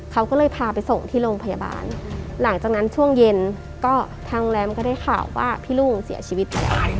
เขาก็เลยพาไปส่งที่โรงพยาบาลหลังจากนั้นช่วงเย็นก็ทางแรมก็ได้ข่าวว่าพี่รุ่งเสียชีวิตไปแล้ว